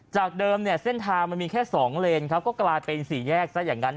จากเดิมเนี่ยเส้นทางมันมีแค่๒เลนครับก็กลายเป็นสี่แยกซะอย่างนั้น